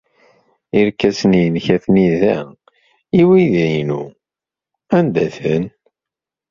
Irkasen-nnek atni da. I widak-inu anda-ten?